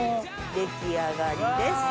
出来上がりです。